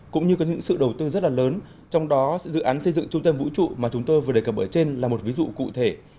cũng như có những sự đầu tư rất là lớn trong đó dự án xây dựng trung tâm vũ trụ mà chúng tôi vừa đề cập ở trên là một ví dụ cụ thể